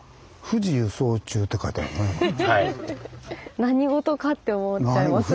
何事かって思っちゃいますね。